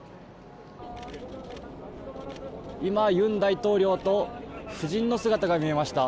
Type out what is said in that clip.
今、尹大統領と夫人の姿が見えました。